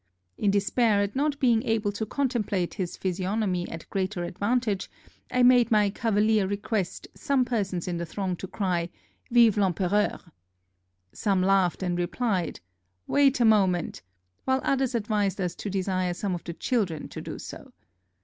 In de spair at not being able to contemplate his physiognomy at greater advantage, I made my cavalier request some persons in the throng to cry, " Vive VEmpereur!" Some laughed and replied, "Wait a moment," while others advised us to desire some of the children to do so.